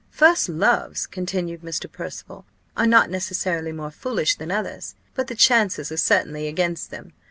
"First loves," continued Mr. Percival, "are not necessarily more foolish than others; but the chances are certainly against them.